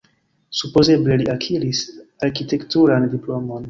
Supozeble li akiris arkitekturan diplomon.